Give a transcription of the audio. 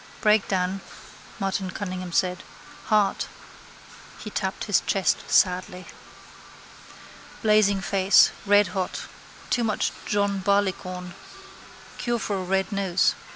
—Breakdown, Martin Cunningham said. Heart. He tapped his chest sadly. Blazing face: redhot. Too much John Barleycorn. Cure for a red nose.